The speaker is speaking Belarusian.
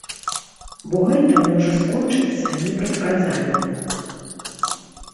Бо гэта можна скончыцца непрадказальна.